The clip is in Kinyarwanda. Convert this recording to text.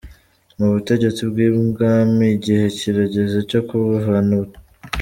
Mu butegetsi bw’ibwami igihe kirageze cyo kuhavana Abatutsi.